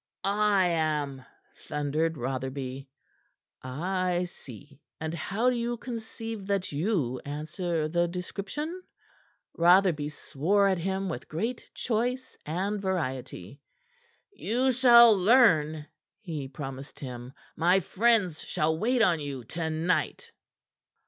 "I am!" thundered Rotherby. "I see. And how do you conceive that you answer the description?" Rotherby swore at him with great choice and variety. "You shall learn," he promised him. "My friends shall wait on you to night."